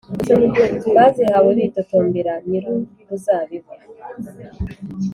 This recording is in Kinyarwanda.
Bazihawe bitotombera nyir’uruzabibu